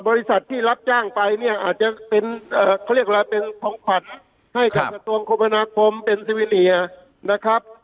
บริษัทที่รับจ้างไปเนี่ยอาจจะเป็นเขาเรียกอะไรเป็นของขวัญให้กับกระทรวงคมพนาคมเป็นซีวิเนียนะครับ